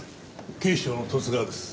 警視庁の十津川です。